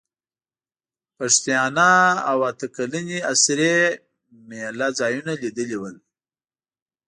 پښتیاڼا او اته کلنې اسرې مېله ځایونه لیدلي ول.